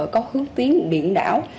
có hướng tiến biển đảo